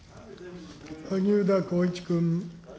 萩生田光一君。